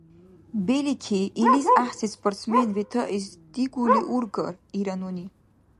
— Белики, илис гӀяхӀси спортсмен ветаэс дигули ургар? — ира нуни.